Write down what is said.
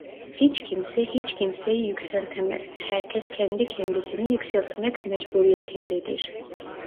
Hiç kimse hiç kimseyi yükseltemez, herkes kendi kendisini yükseltmek mecburiyetindendir.